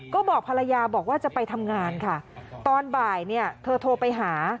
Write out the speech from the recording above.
ก็บอกภรรยาบอกว่าจะไปทำงานค่ะตอนบ่ายเนี่ยเธอโทรไปหา